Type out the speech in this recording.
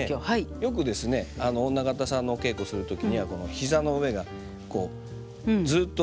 よくですね女方さんのお稽古する時にはこの膝の上がこうずっと。